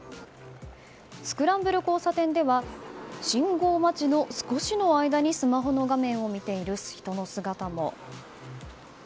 スクランブル交差点では信号待ちの少しの間にスマホの画面を見ている人の姿も。